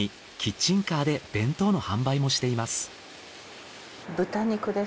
キッチンカーで弁当の販売もしています。